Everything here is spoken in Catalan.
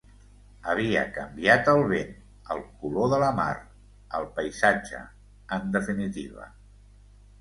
Havia canviat el vent, el color de la mar, el paisatge, en definitiva.